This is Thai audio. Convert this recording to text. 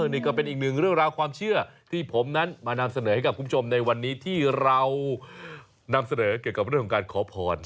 นี่ก็เป็นอีกหนึ่งเรื่องราวความเชื่อที่ผมนั้นมานำเสนอให้กับคุณผู้ชมในวันนี้ที่เรานำเสนอเกี่ยวกับเรื่องของการขอพร